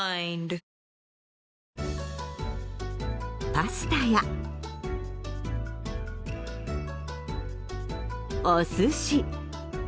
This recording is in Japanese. パスタやお寿司。